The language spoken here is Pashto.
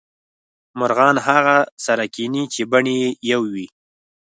مرغان هغه سره کینې چې بڼې یو وې